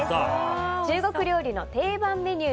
中国料理の定番メニュー